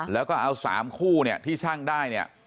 และก็เอา๓คู่ที่ชั่งได้เนี่ย